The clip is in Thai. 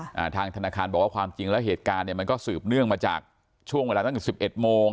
ทางธนาคารบอกว่าความจริงแล้วเหตุการณ์เนี้ยมันก็สืบเนื่องมาจากช่วงเวลาตั้งแต่สิบเอ็ดโมง